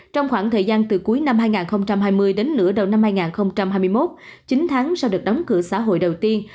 trong khoảng thời gian từ cuối năm hai nghìn hai mươi đến nửa đầu năm hai nghìn hai mươi một chín tháng sau được đóng cửa xã hội đầu tiên